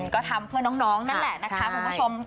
ก็ทำเพื่อน้องนั่นแหละนะคะคุณผู้ชม